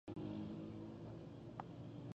هغه اووه سمستره چې ما په څومره زحمت خلاص کړل.